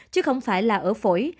chứ không phải là ở phổi